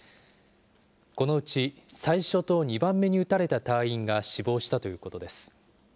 このうち、最初と２番目に撃たれた隊員が死亡したということです。